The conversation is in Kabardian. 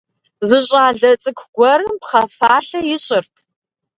Зы щӏалэ цӏыкӏу гуэрым пхъэ фалъэ ищӏырт.